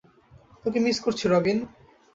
তোকে মিস করছি, রবিন।